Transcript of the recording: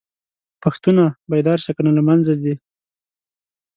پښتونه!! بيدار شه کنه له منځه ځې